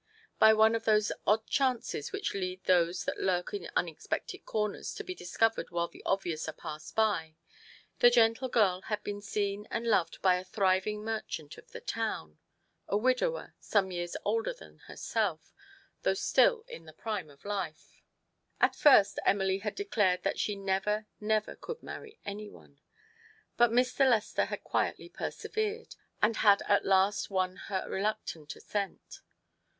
By one of those odd chances which lead those that lurk in unexpected corners to be discovered while the obvious are passed by, the gentle girl had been seen and loved by a thriving merchant of the town, a widower, some years older than herself, though still in the prime of life. At Ii8 TO PLEASE HIS WIFE. first Emily had declared that she never, never could marry any one; but Mr. Lester had quietly persevered, and had at last won her reluctant assent.